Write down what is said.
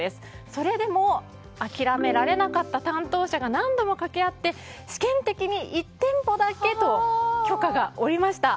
それでも、諦められなかった担当者が何度も掛け合って試験的に１店舗だけと許可が下りました。